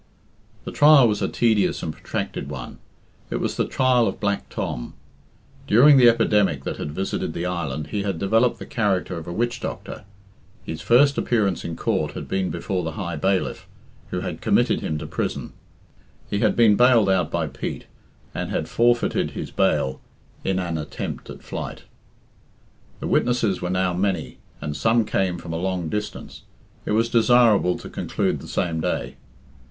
The trial was a tedious and protracted one. It was the trial of Black Tom. During the epidemic that had visited the island he had developed the character of a witch doctor. His first appearance in Court had been before the High Bailiff, who had committed him to prison. He had been bailed out by Pete, and had forfeited his bail in an attempt at flight. The witnesses were now many, and some came from a long distance. It was desirable to conclude the same day.